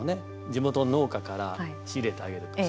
地元の農家から仕入れてあげるとか。